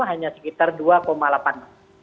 hanya sekitar dua delapan persen